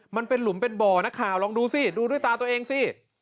มันเป็นหลุมเป็นบ่อนักข่าวลองดูสิดูด้วยตาตัวเองสิ